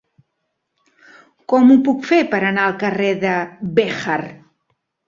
Com ho puc fer per anar al carrer de Béjar?